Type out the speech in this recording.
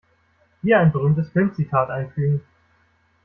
Hier ein berühmtes Filmzitat einfügen.